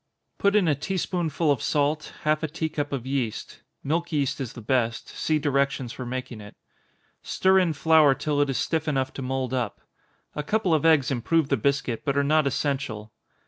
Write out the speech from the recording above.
Put in a tea spoonful of salt, half a tea cup of yeast, (milk yeast is the best, see directions for making it) stir in flour till it is stiff enough to mould up. A couple of eggs improve the biscuit, but are not essential.